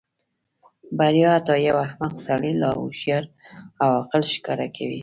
بریا حتی یو احمق سړی لا هوښیار او عاقل ښکاره کوي.